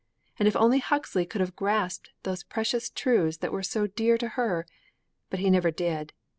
_' And if only Huxley could have grasped those precious truths that were so dear to her! But he never did.